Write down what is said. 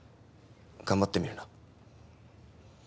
頑張ってみるな。